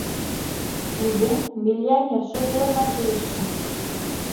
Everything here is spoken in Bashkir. Үҙең миллионерша булырға тейешһең!..